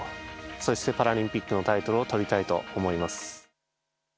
そして、パラリンピックのタイトルをとりたいと思います。